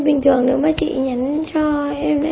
bình thường nếu chị nhắn cho em đấy